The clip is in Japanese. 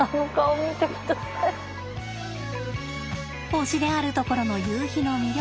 推しであるところのゆうひの魅力。